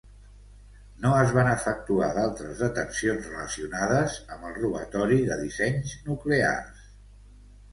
No es van efectuar d'altres detencions relacionades amb el robatori de dissenys nuclears.